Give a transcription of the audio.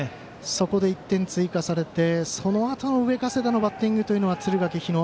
そこで１点追加されてそのあと、上加世田のバッティングというのは敦賀気比